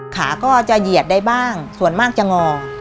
ขาก็จะเหยียดได้บ้างส่วนมากจะงอ